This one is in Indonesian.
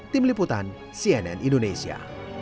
tim liputan cnn indonesia